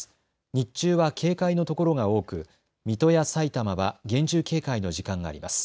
日中は警戒の所が多く、水戸やさいたまは厳重警戒の時間があります。